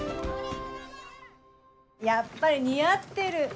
やっぱり似合ってる。